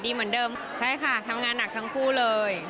เหมือนเดิมใช่ค่ะทำงานหนักทั้งคู่เลย